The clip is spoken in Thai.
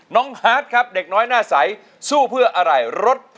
น้องฮาสครับเด็กน้อยหน้าใสสู้เพื่ออะไรรถพอ